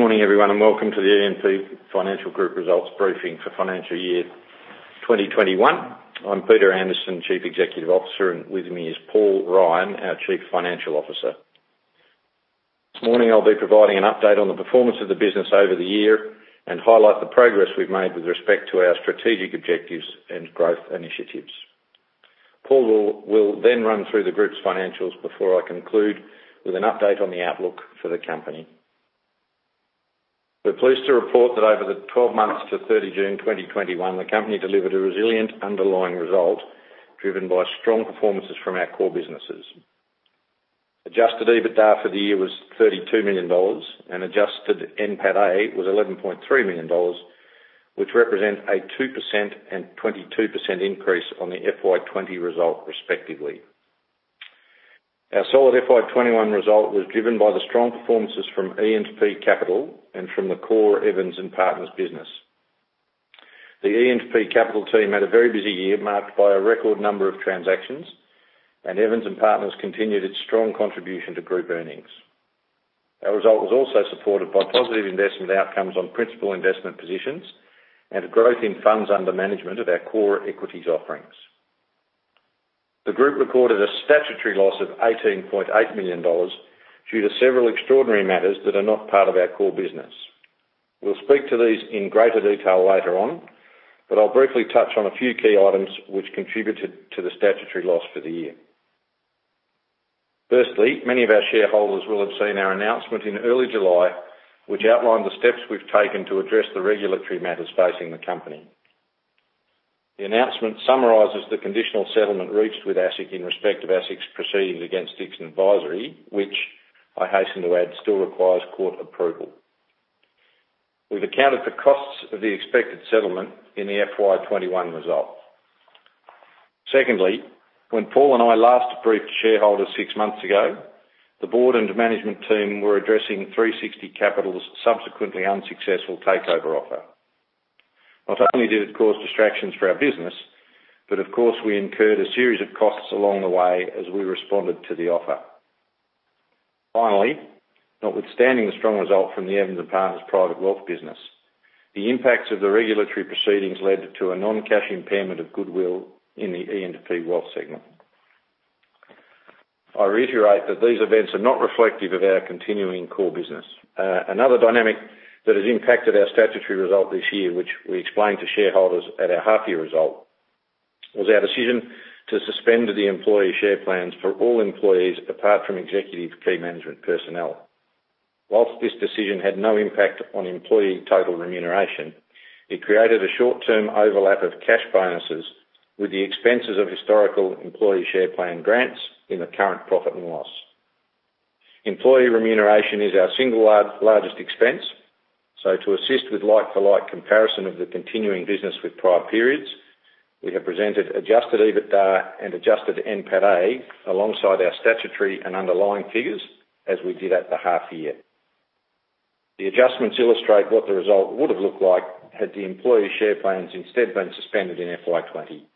Good morning, everyone, and welcome to the E&P Financial Group results briefing for financial year 2021. I'm Peter Anderson, Chief Executive Officer, and with me is Paul Ryan, our Chief Financial Officer. This morning, I'll be providing an update on the performance of the business over the year and highlight the progress we've made with respect to our strategic objectives and growth initiatives. Paul will then run through the group's financials before I conclude with an update on the outlook for the company. We're pleased to report that over the 12 months to 30 June 2021, the company delivered a resilient underlying result driven by strong performances from our core businesses. Adjusted EBITDA for the year was AUD 32 million and adjusted NPATA was AUD 11.3 million, which represent a 2% and 22% increase on the FY 2020 result, respectively. Our solid FY 2021 result was driven by the strong performances from E&P Capital and from the core Evans & Partners business. The E&P Capital team had a very busy year marked by a record number of transactions. Evans & Partners continued its strong contribution to group earnings. Our result was also supported by positive investment outcomes on principal investment positions and a growth in funds under management of our core equities offerings. The group reported a statutory loss of 18.8 million dollars due to several extraordinary matters that are not part of our core business. We'll speak to these in greater detail later on. I'll briefly touch on a few key items which contributed to the statutory loss for the year. Firstly, many of our shareholders will have seen our announcement in early July, which outlined the steps we've taken to address the regulatory matters facing the company. The announcement summarizes the conditional settlement reached with ASIC in respect of ASIC's proceedings against Dixon Advisory, which I hasten to add still requires court approval. We've accounted for costs of the expected settlement in the FY 2021 result. Secondly, when Paul and I last briefed shareholders six months ago, the Board and management team were addressing 360 Capital's subsequently unsuccessful takeover offer. Not only did it cause distractions for our business, but of course, we incurred a series of costs along the way as we responded to the offer. Finally, notwithstanding the strong result from the Evans & Partners private Wealth business, the impacts of the regulatory proceedings led to a non-cash impairment of goodwill in the E&P Wealth segment. I reiterate that these events are not reflective of our continuing core business. Another dynamic that has impacted our statutory result this year, which we explained to shareholders at our half-year result, was our decision to suspend the employee share plans for all employees apart from executive key management personnel. Whilst this decision had no impact on employee total remuneration, it created a short-term overlap of cash bonuses with the expenses of historical employee share plan grants in the current profit and loss. Employee remuneration is our single largest expense, so to assist with like-to-like comparison of the continuing business with prior periods, we have presented adjusted EBITDA and adjusted NPATA alongside our statutory and underlying figures as we did at the half year. The adjustments illustrate what the result would have looked like had the employee share plans instead been suspended in FY 2020.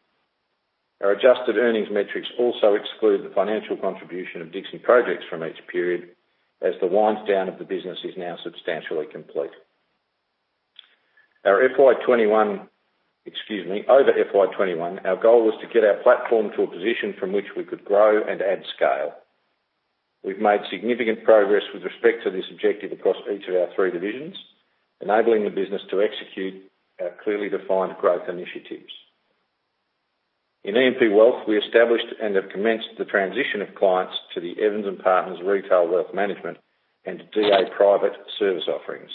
Our adjusted earnings metrics also exclude the financial contribution of Dixon Projects from each period as the winds down of the business is now substantially complete. Over FY 2021, our goal was to get our platform to a position from which we could grow and add scale. We've made significant progress with respect to this objective across each of our three divisions, enabling the business to execute our clearly defined growth initiatives. In E&P Wealth, we established and have commenced the transition of clients to the Evans & Partners retail wealth management and to DA Private service offerings.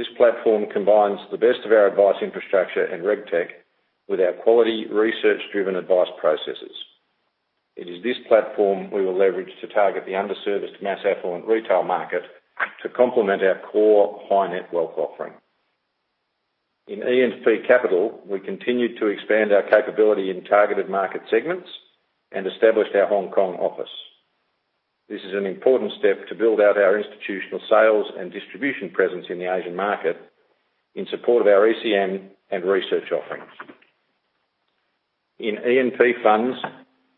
This platform combines the best of our advice infrastructure and reg tech with our quality research-driven advice processes. It is this platform we will leverage to target the underserviced mass affluent retail market to complement our core high-net wealth offering. In E&P Capital, we continued to expand our capability in targeted market segments and established our Hong Kong office. This is an important step to build out our institutional sales and distribution presence in the Asian market in support of our ECM and research offerings. In E&P Funds,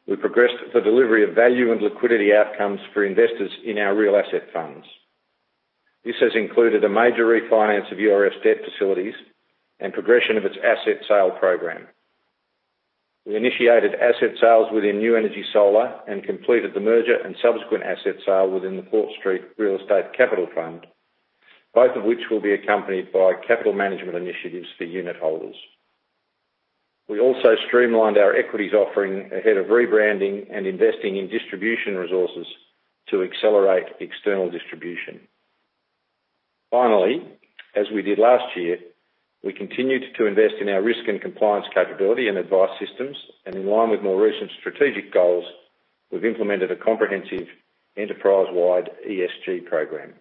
we progressed the delivery of value and liquidity outcomes for investors in our real asset funds. This has included a major refinance of URF's debt facilities and progression of its asset sale program. We initiated asset sales within New Energy Solar and completed the merger and subsequent asset sale within the Fort Street Real Estate Capital Fund, both of which will be accompanied by capital management initiatives for unit holders. We also streamlined our equities offering ahead of rebranding and investing in distribution resources to accelerate external distribution. Finally, as we did last year, we continued to invest in our risk and compliance capability and advice systems, and in line with more recent strategic goals, we've implemented a comprehensive enterprise-wide ESG program.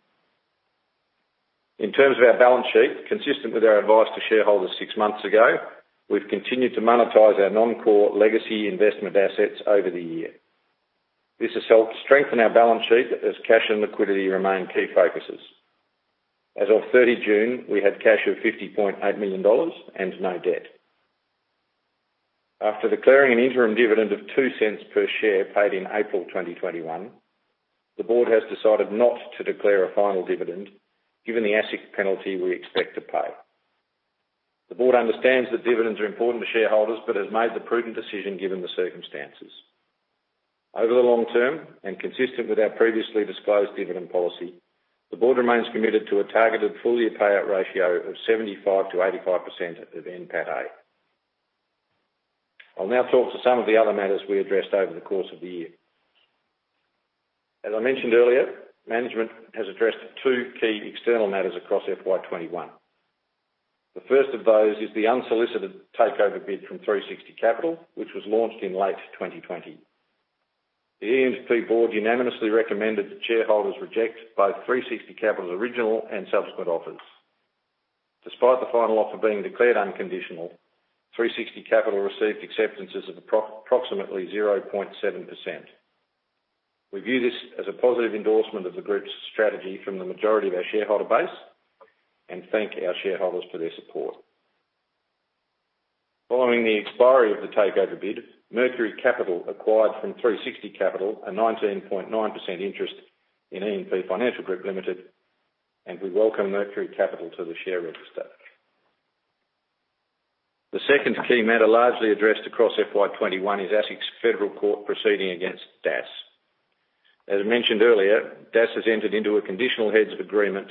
In terms of our balance sheet, consistent with our advice to shareholders six months ago, we've continued to monetize our non-core legacy investment assets over the year. This has helped strengthen our balance sheet as cash and liquidity remain key focuses. As of 30 June, we had cash of AUD 50.8 million and no debt. After declaring an interim dividend of 0.02 per share paid in April 2021, the board has decided not to declare a final dividend given the ASIC penalty we expect to pay. The board understands that dividends are important to shareholders but has made the prudent decision given the circumstances. Over the long term, and consistent with our previously disclosed dividend policy, the board remains committed to a targeted full-year payout ratio of 75%-85% of NPATA. I'll now talk to some of the other matters we addressed over the course of the year. As I mentioned earlier, management has addressed two key external matters across FY 2021. The first of those is the unsolicited takeover bid from 360 Capital, which was launched in late 2020. The E&P Board unanimously recommended that shareholders reject both 360 Capital's original and subsequent offers. Despite the final offer being declared unconditional, 360 Capital received acceptances of approximately 0.7%. We view this as a positive endorsement of the group's strategy from the majority of our shareholder base and thank our shareholders for their support. Following the expiry of the takeover bid, Mercury Capital acquired from 360 Capital a 19.9% interest in E&P Financial Group Limited, and we welcome Mercury Capital to the share register. The second key matter largely addressed across FY 2021 is ASIC's Federal Court proceeding against DAS. As mentioned earlier, DAS has entered into a conditional heads of agreement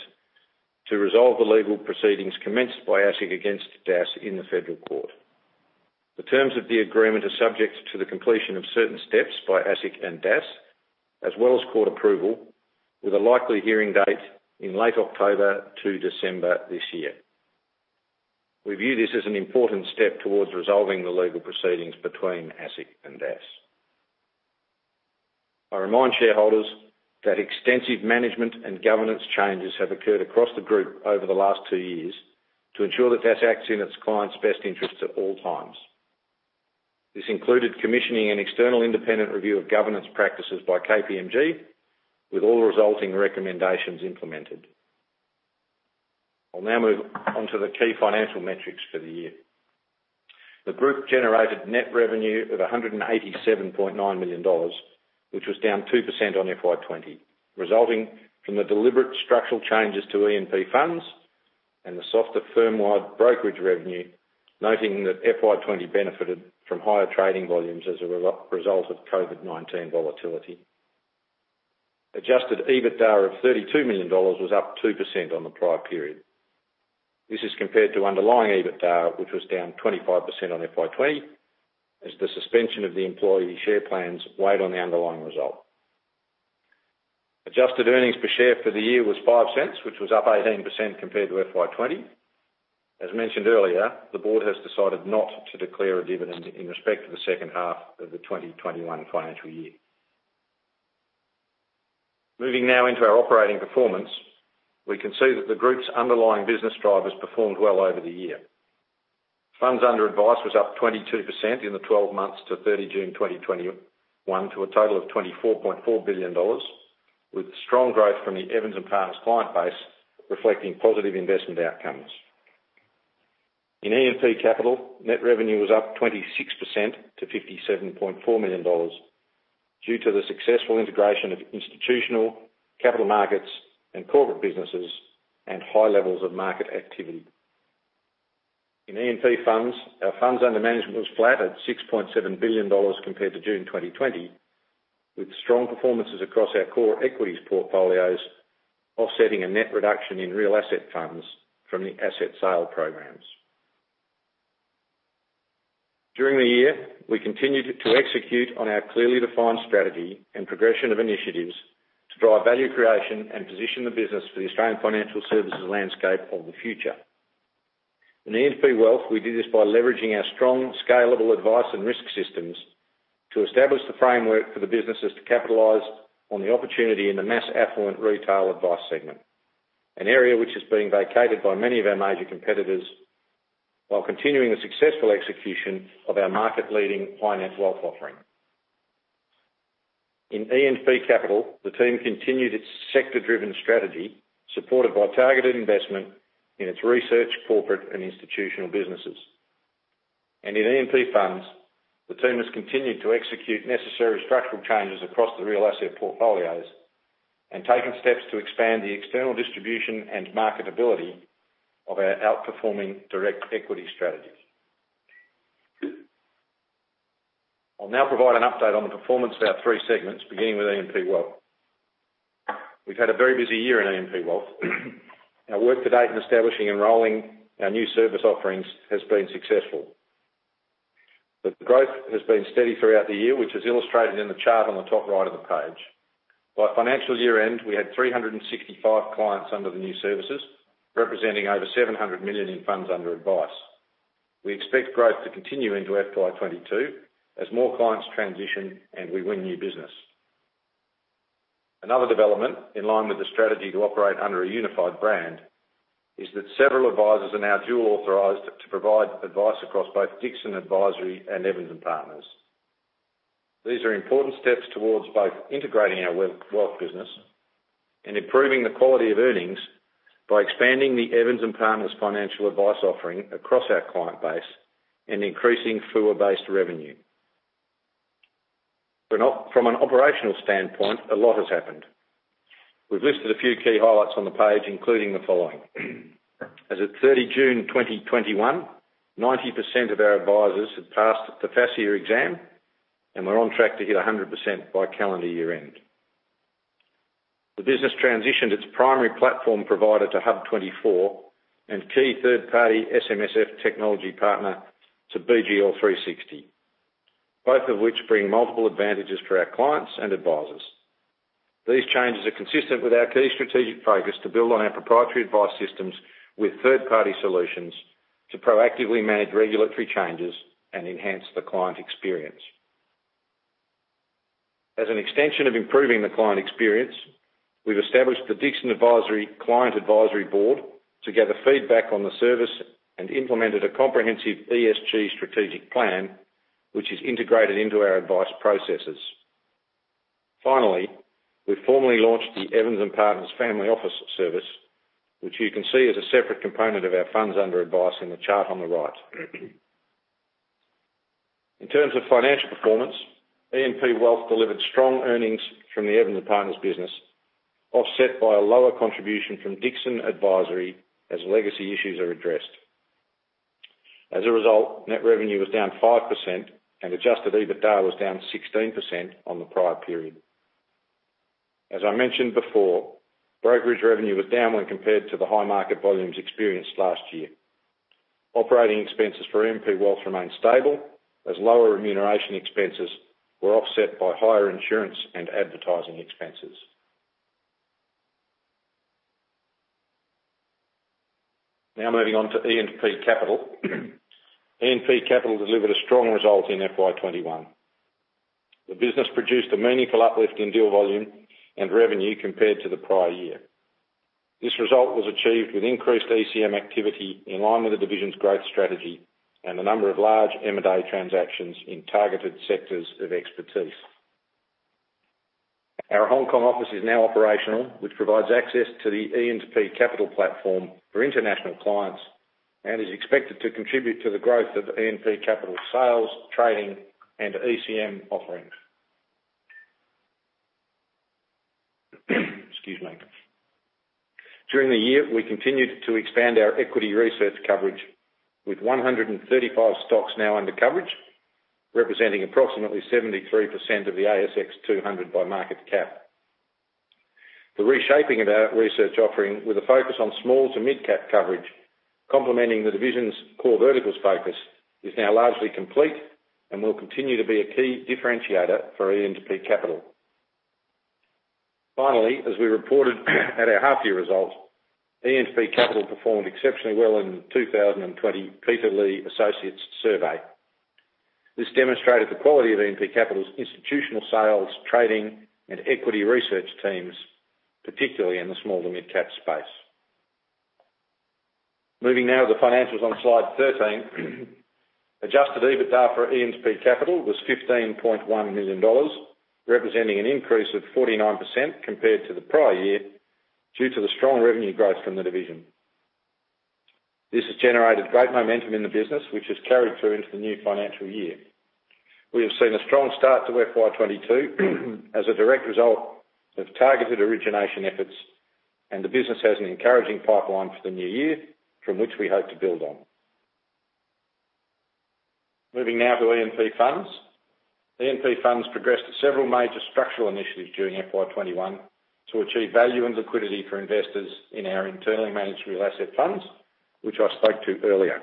to resolve the legal proceedings commenced by ASIC against DAS in the Federal Court. The terms of the agreement are subject to the completion of certain steps by ASIC and DAS, as well as court approval, with a likely hearing date in late October to December this year. We view this as an important step towards resolving the legal proceedings between ASIC and DAS. I remind shareholders that extensive management and governance changes have occurred across the group over the last two years to ensure that Dixon Advisory acts in its clients' best interests at all times. This included commissioning an external independent review of governance practices by KPMG, with all resulting recommendations implemented. I'll now move on to the key financial metrics for the year. The group generated net revenue of 187.9 million dollars, which was down 2% on FY 2020, resulting from the deliberate structural changes to E&P Funds and the softer firm-wide brokerage revenue, noting that FY 2020 benefited from higher trading volumes as a result of COVID-19 volatility. Adjusted EBITDA of AUD 32 million was up 2% on the prior period. This is compared to underlying EBITDA, which was down 25% on FY 2020, as the suspension of the employee share plans weighed on the underlying result. Adjusted earnings per share for the year was 0.05, which was up 18% compared to FY 2020. As mentioned earlier, the Board has decided not to declare a dividend in respect of the second half of the 2021 financial year. Moving now into our operating performance, we can see that the group's underlying business drivers performed well over the year. Funds under advice was up 22% in the 12 months to 30 June 2021 to a total of 24.4 billion dollars, with strong growth from the Evans & Partners client base reflecting positive investment outcomes. In E&P Capital, net revenue was up 26% to 57.4 million dollars due to the successful integration of institutional capital markets and corporate businesses and high levels of market activity. In E&P Funds, our funds under management was flat at 6.7 billion dollars compared to June 2020, with strong performances across our core equities portfolios offsetting a net reduction in real asset funds from the asset sale programs. During the year, we continued to execute on our clearly defined strategy and progression of initiatives to drive value creation and position the business for the Australian financial services landscape of the future. In E&P Wealth, we did this by leveraging our strong scalable advice and risk systems to establish the framework for the businesses to capitalize on the opportunity in the mass affluent retail advice segment, an area which is being vacated by many of our major competitors while continuing the successful execution of our market-leading finance wealth offering. In E&P Capital, the team continued its sector-driven strategy supported by targeted investment in its research, corporate, and institutional businesses. In E&P Funds, the team has continued to execute necessary structural changes across the real asset portfolios and taken steps to expand the external distribution and marketability of our outperforming direct equity strategies. I'll now provide an update on the performance of our three segments, beginning with E&P Wealth. We've had a very busy year in E&P Wealth. Our work to date in establishing and rolling our new service offerings has been successful. The growth has been steady throughout the year, which is illustrated in the chart on the top right of the page. By financial year-end, we had 365 clients under the new services, representing over 700 million in funds under advice. We expect growth to continue into FY 2022 as more clients transition and we win new business. Another development, in line with the strategy to operate under a unified brand, is that several advisors are now dual authorized to provide advice across both Dixon Advisory and Evans & Partners. These are important steps towards both integrating our Wealth business and improving the quality of earnings by expanding the Evans & Partners financial advice offering across our client base and increasing fee-based revenue. From an operational standpoint, a lot has happened. We've listed a few key highlights on the page, including the following. As of 30 June 2021, 90% of our advisors had passed the FASEA exam, and we're on track to hit 100% by calendar year end. The business transitioned its primary platform provider to HUB24 and key third-party SMSF technology partner to BGL 360, both of which bring multiple advantages for our clients and advisors. These changes are consistent with our key strategic focus to build on our proprietary advice systems with third-party solutions to proactively manage regulatory changes and enhance the client experience. As an extension of improving the client experience, we've established the Dixon Advisory Client Advisory Board to gather feedback on the service and implemented a comprehensive ESG strategic plan, which is integrated into our advice processes. Finally, we've formally launched the Evans & Partners Family Office service, which you can see is a separate component of our funds under advice in the chart on the right. In terms of financial performance, E&P Wealth delivered strong earnings from the Evans & Partners business, offset by a lower contribution from Dixon Advisory as legacy issues are addressed. As a result, net revenue was down 5% and adjusted EBITDA was down 16% on the prior period. As I mentioned before, brokerage revenue was down when compared to the high market volumes experienced last year. Operating expenses for E&P Wealth remained stable as lower remuneration expenses were offset by higher insurance and advertising expenses. Now moving on to E&P Capital. E&P Capital delivered a strong result in FY 2021. The business produced a meaningful uplift in deal volume and revenue compared to the prior year. This result was achieved with increased ECM activity in line with the division's growth strategy and a number of large M&A transactions in targeted sectors of expertise. Our Hong Kong office is now operational, which provides access to the E&P Capital platform for international clients and is expected to contribute to the growth of E&P Capital's sales, trading, and ECM offerings. Excuse me. During the year, we continued to expand our equity research coverage with 135 stocks now under coverage, representing approximately 73% of the ASX 200 by market cap. The reshaping of our research offering, with a focus on small to mid-cap coverage, complementing the division's core verticals focus, is now largely complete and will continue to be a key differentiator for E&P Capital. Finally, as we reported at our half-year results, E&P Capital performed exceptionally well in the 2020 Peter Lee Associates survey. This demonstrated the quality of E&P Capital's institutional sales, trading, and equity research teams, particularly in the small to mid-cap space. Moving now to the financials on Slide 13. Adjusted EBITDA for E&P Capital was AUD 15.1 million, representing an increase of 49% compared to the prior year due to the strong revenue growth from the division. This has generated great momentum in the business, which has carried through into the new financial year. We have seen a strong start to FY 2022 as a direct result of targeted origination efforts, and the business has an encouraging pipeline for the new year from which we hope to build on. Moving now to E&P Funds. E&P Funds progressed several major structural initiatives during FY 2021 to achieve value and liquidity for investors in our internally managed real asset funds, which I spoke to earlier.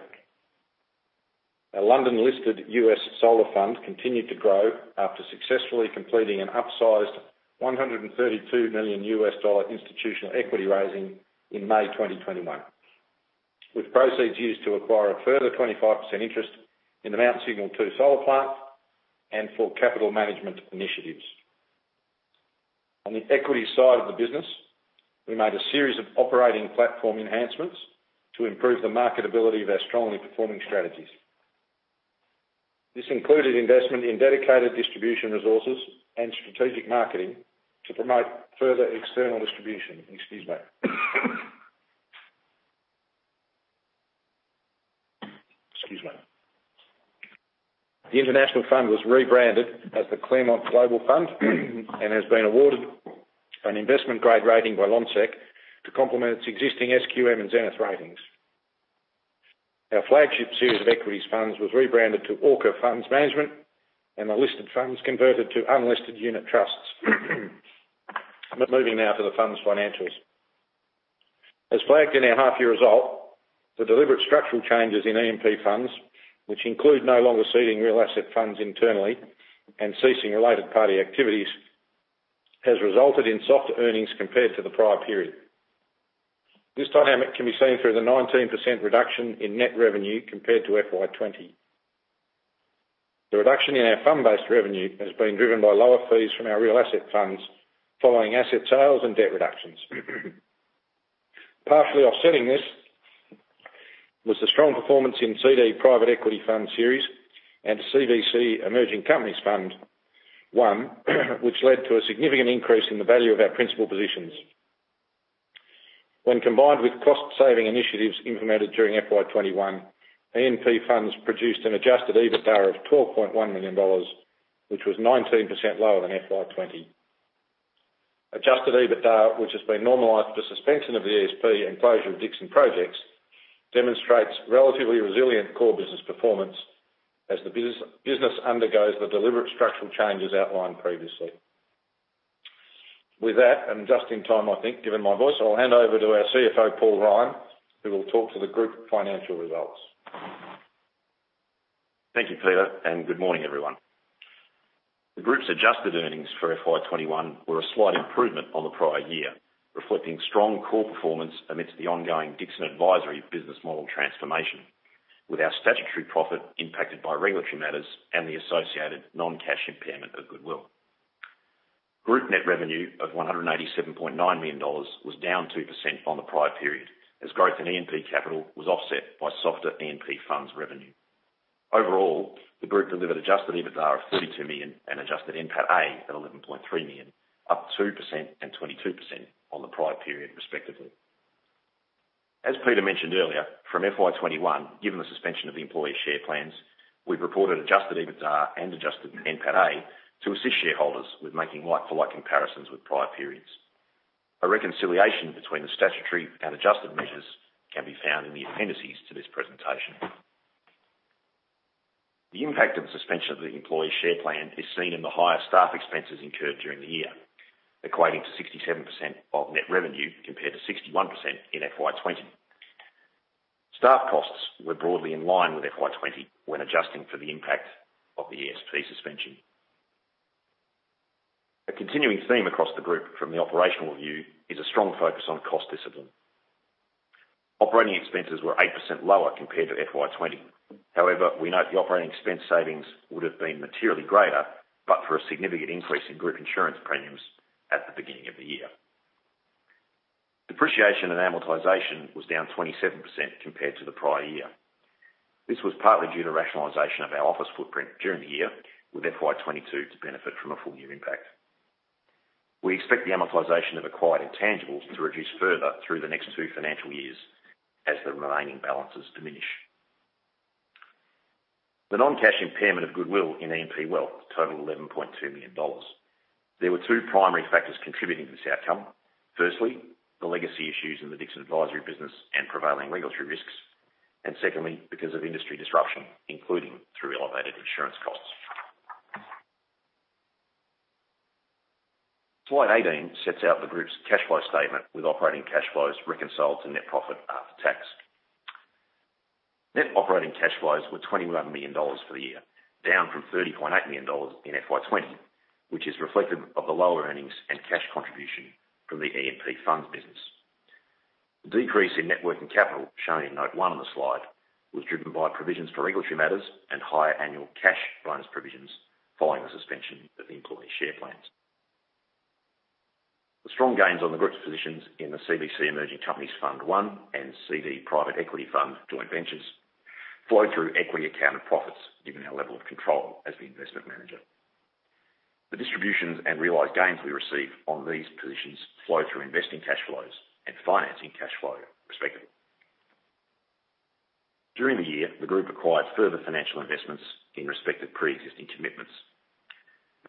Our London-listed US Solar Fund continued to grow after successfully completing an upsized AUD 132 million institutional equity raising in May 2021, with proceeds used to acquire a further 25% interest in the Mount Signal 2 solar plant and for capital management initiatives. On the equity side of the business, we made a series of operating platform enhancements to improve the marketability of our strongly performing strategies. This included investment in dedicated distribution resources and strategic marketing to promote further external distribution. Excuse me. The International Fund was rebranded as the Claremont Global Fund and has been awarded an investment-grade rating by Lonsec to complement its existing SQM and Zenith ratings. Our flagship series of equities funds was rebranded to Orca Funds Management, and the listed funds converted to unlisted unit trusts. Moving now to the Fund's financials. As flagged in our half-year result, the deliberate structural changes in E&P Funds, which include no longer seeding real asset funds internally and ceasing related party activities, has resulted in softer earnings compared to the prior period. This dynamic can be seen through the 19% reduction in net revenue compared to FY 2020. The reduction in our fund-based revenue has been driven by lower fees from our real asset funds following asset sales and debt reductions. Partially offsetting this was the strong performance in CD Private Equity Fund series and CVC Emerging Companies Fund I, which led to a significant increase in the value of our principal positions. When combined with cost-saving initiatives implemented during FY 2021, E&P Funds produced an adjusted EBITDA of AUD 12.1 million, which was 19% lower than FY 2020. Adjusted EBITDA, which has been normalized for suspension of the ESP and closure of Dixon Projects, demonstrates relatively resilient core business performance as the business undergoes the deliberate structural changes outlined previously. With that, and just in time, I think, given my voice, I'll hand over to our CFO, Paul Ryan, who will talk to the group financial results. Thank you, Peter, and good morning, everyone. The group's adjusted earnings for FY 2021 were a slight improvement on the prior year, reflecting strong core performance amidst the ongoing Dixon Advisory business model transformation, with our statutory profit impacted by regulatory matters and the associated non-cash impairment of goodwill. Group net revenue of 187.9 million dollars was down 2% on the prior period, as growth in E&P Capital was offset by softer E&P Funds revenue. Overall, the group delivered adjusted EBITDA of 32 million and adjusted NPATA at 11.3 million, up 2% and 22% on the prior period respectively. As Peter mentioned earlier, from FY 2021, given the suspension of the employee share plans, we've reported adjusted EBITDA and adjusted NPATA to assist shareholders with making like-for-like comparisons with prior periods. A reconciliation between the statutory and adjusted measures can be found in the appendices to this presentation. The impact of the suspension of the employee share plan is seen in the higher staff expenses incurred during the year, equating to 67% of net revenue compared to 61% in FY 2020. Staff costs were broadly in line with FY 2020 when adjusting for the impact of the ESP suspension. A continuing theme across the group from the operational view is a strong focus on cost discipline. Operating expenses were 8% lower compared to FY 2020. However, we note the operating expense savings would have been materially greater but for a significant increase in group insurance premiums at the beginning of the year. Depreciation and amortization was down 27% compared to the prior year. This was partly due to rationalization of our office footprint during the year, with FY 2022 to benefit from a full year impact. We expect the amortization of acquired intangibles to reduce further through the next two financial years as the remaining balances diminish. The non-cash impairment of goodwill in E&P Wealth totaled AUD 11.2 million. There were two primary factors contributing to this outcome. Firstly, the legacy issues in the Dixon Advisory business and prevailing regulatory risks. Secondly, because of industry disruption, including through elevated insurance costs. Slide 18 sets out the group's cash flow statement with operating cash flows reconciled to net profit after tax. Net operating cash flows were 21 million dollars for the year, down from 30.8 million dollars in FY 2020, which is reflective of the lower earnings and cash contribution from the E&P Funds business. The decrease in net working capital shown in note one on the slide was driven by provisions for regulatory matters and higher annual cash bonus provisions following the suspension of the employee share plans. The strong gains on the group's positions in the CVC Emerging Companies Fund I and CD Private Equity Fund joint ventures flowed through equity account of profits, given our level of control as the investment manager. The distributions and realized gains we receive on these positions flow through investing cash flows and financing cash flow respectively. During the year, the group acquired further financial investments in respect of pre-existing commitments.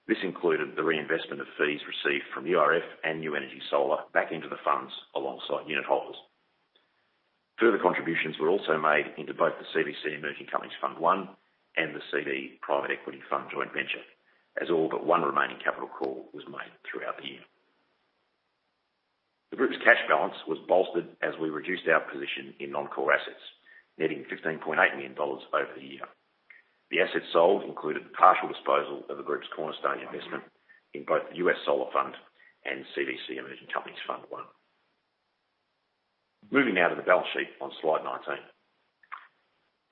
This included the reinvestment of fees received from URF and New Energy Solar back into the funds alongside unit holders. Further contributions were also made into both the CVC Emerging Companies Fund I and the CD Private Equity Fund joint venture, as all but one remaining capital call was made throughout the year. The group's cash balance was bolstered as we reduced our position in non-core assets, netting 15.8 million dollars over the year. The assets sold included the partial disposal of the group's cornerstone investment in both the US Solar Fund and CVC Emerging Companies Fund I. Moving now to the balance sheet on slide 19.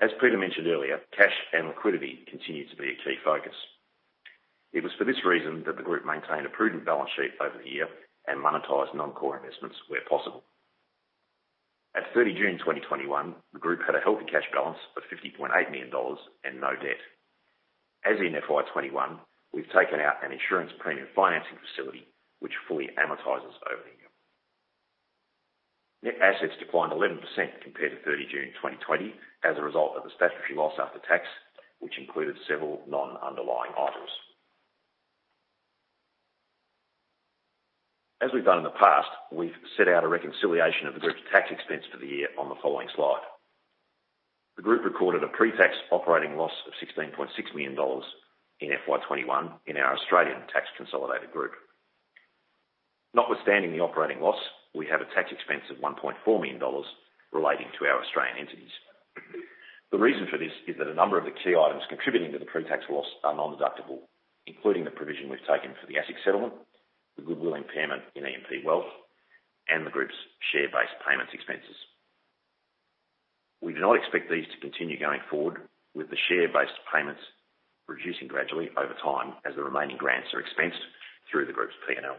As Peter mentioned earlier, cash and liquidity continue to be a key focus. It was for this reason that the group maintained a prudent balance sheet over the year and monetized non-core investments where possible. At 30 June 2021, the group had a healthy cash balance of 50.8 million dollars and no debt. As in FY 2021, we've taken out an insurance premium financing facility which fully amortizes over the year. Net assets declined 11% compared to 30 June 2020 as a result of the statutory loss after tax, which included several non-underlying items. As we've done in the past, we've set out a reconciliation of the group's tax expense for the year on the following slide. The group recorded a pre-tax operating loss of 16.6 million dollars in FY 2021 in our Australian tax consolidated group. Notwithstanding the operating loss, we have a tax expense of 1.4 million dollars relating to our Australian entities. The reason for this is that a number of the key items contributing to the pre-tax loss are non-deductible, including the provision we've taken for the ASIC settlement, the goodwill impairment in E&P Wealth, and the group's share-based payments expenses. We do not expect these to continue going forward, with the share-based payments reducing gradually over time as the remaining grants are expensed through the group's P&L.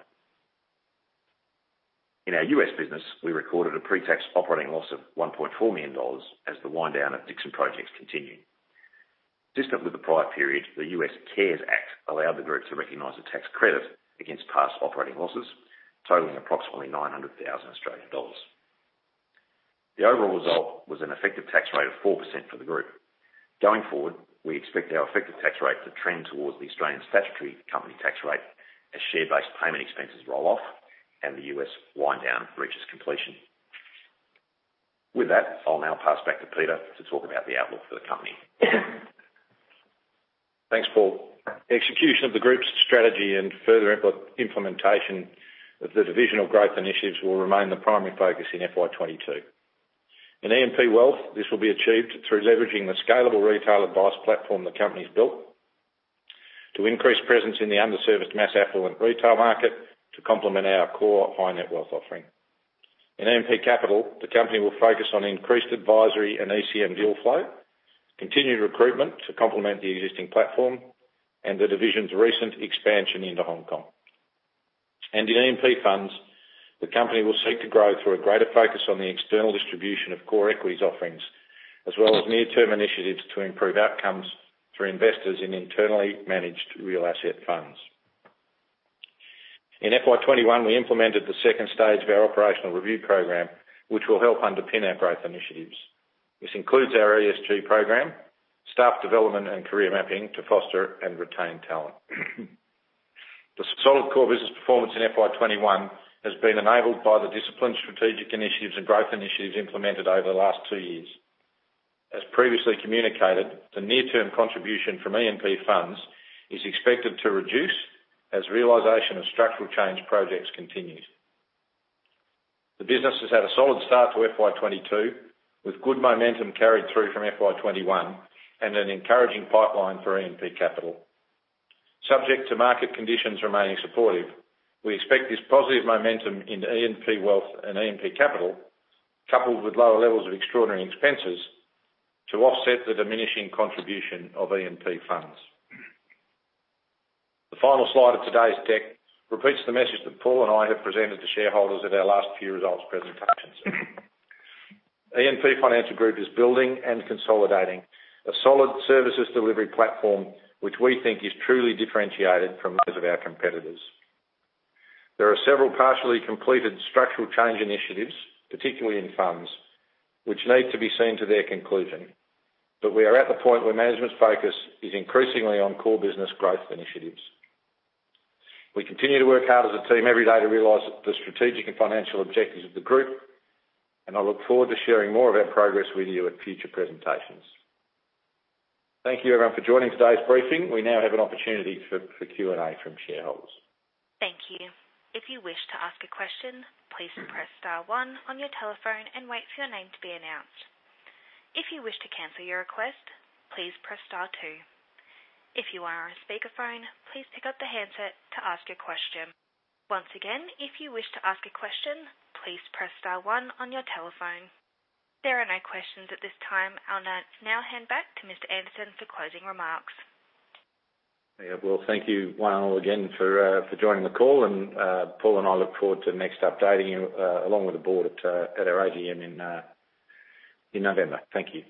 In our U.S. business, we recorded a pre-tax operating loss of 1.4 million dollars as the wind down of Dixon Projects continued. Consistent with the prior period, the U.S. CARES Act allowed the group to recognize a tax credit against past operating losses, totaling approximately 900,000 Australian dollars. The overall result was an effective tax rate of 4% for the group. Going forward, we expect our effective tax rate to trend towards the Australian statutory company tax rate as share-based payment expenses roll off and the U.S. wind down reaches completion. With that, I'll now pass back to Peter to talk about the outlook for the company. Thanks, Paul. Execution of the group's strategy and further implementation of the divisional growth initiatives will remain the primary focus in FY 2022. In E&P Wealth, this will be achieved through leveraging the scalable retail advice platform the company's built, to increase presence in the underserviced mass affluent retail market to complement our core high-net-wealth offering. In E&P Capital, the company will focus on increased advisory and ECM deal flow, continued recruitment to complement the existing platform, and the division's recent expansion into Hong Kong. In E&P Funds, the company will seek to grow through a greater focus on the external distribution of core equities offerings, as well as near-term initiatives to improve outcomes for investors in internally managed real asset funds. In FY 2021, we implemented the second stage of our operational review program, which will help underpin our growth initiatives. This includes our ESG program, staff development, and career mapping to foster and retain talent. The solid core business performance in FY 2021 has been enabled by the disciplined strategic initiatives and growth initiatives implemented over the last two years. As previously communicated, the near-term contribution from E&P Funds is expected to reduce as realization of structural change projects continues. The business has had a solid start to FY 2022 with good momentum carried through from FY 2021 and an encouraging pipeline for E&P Capital. Subject to market conditions remaining supportive, we expect this positive momentum in E&P Wealth and E&P Capital, coupled with lower levels of extraordinary expenses, to offset the diminishing contribution of E&P Funds. The final slide of today's deck repeats the message that Paul and I have presented to shareholders at our last few results presentations. E&P Financial Group is building and consolidating a solid services delivery platform, which we think is truly differentiated from those of our competitors. There are several partially completed structural change initiatives, particularly in funds, which need to be seen to their conclusion, but we are at the point where management's focus is increasingly on core business growth initiatives. We continue to work hard as a team every day to realize the strategic and financial objectives of the group, and I look forward to sharing more of our progress with you at future presentations. Thank you everyone for joining today's briefing. We now have an opportunity for Q and A from shareholders. Thank you. If you wish to ask a question, please press star one on your telephone and wait for your name to be announced. If you wish to cancel your request, please press star two. If you're on speaker phone please take out the headset to ask a question. Once again, if you wish to ask a question please press star one on your telephone. There are no questions at this time. I'll now hand back to Mr. Anderson for closing remarks. Yeah. Well, thank you one all again for joining the call, Paul and I look forward to next updating you along with the board at our AGM in November. Thank you.